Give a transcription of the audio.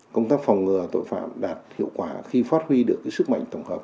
công tác phòng ngừa tội phạm đạt hiệu quả khi phát huy được sức mạnh tổng hợp